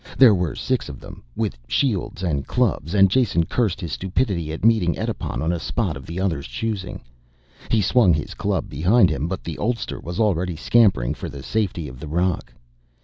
There were six of them, with shields and clubs, and Jason cursed his stupidity at meeting Edipon on a spot of the other's choosing. He swung his club behind him but the oldster was already scampering for the safety of the rock.